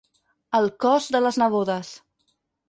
El cos de les nebodes.